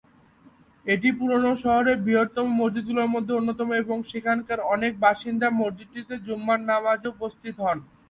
এটি পুরনো শহরের বৃহত্তম মসজিদগুলোর মধ্যে অন্যতম এবং সেখানকার অনেক বাসিন্দা মসজিদটিতে জুমার নামাজে উপস্থিত হন।